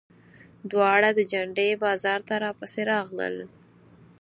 دواړه د جنډې بازار ته راپسې راغلل.